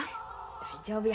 大丈夫や。